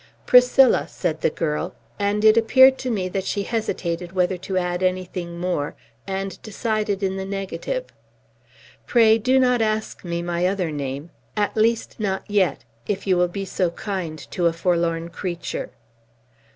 "Priscilla," said the girl; and it appeared to me that she hesitated whether to add anything more, and decided in the negative. "Pray do not ask me my other name, at least not yet, if you will be so kind to a forlorn creature."